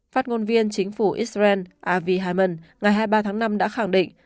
phát ngôn viên chính phủ israel avi himon ngày hai mươi ba tháng năm đã khẳng định